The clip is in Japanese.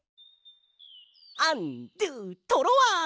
アンドゥトロワ！